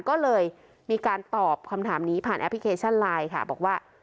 ก็เลยมีการตอบคำถามนี้ผ่านแอปพลิเคชันไลน์ค่ะบอกว่า